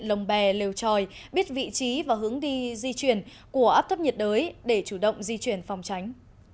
lồng bè lều tròi biết vị trí và hướng đi di chuyển của áp thấp nhiệt đới để chủ động di chuyển phòng tránh